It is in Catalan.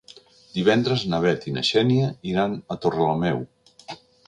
Divendres na Bet i na Xènia iran a Torrelameu.